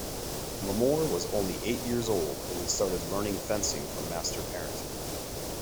Lamour was only eight years old when he started learning fencing from Master Parent.